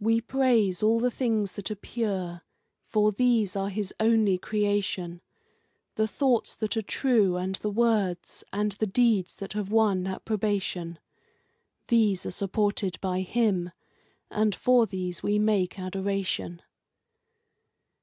We praise all the things that are pure, for these are His only Creation The thoughts that are true, and the words and the deeds that have won approbation; These are supported by Him, and for these we make adoration.